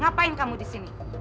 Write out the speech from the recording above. gapain kamu di sini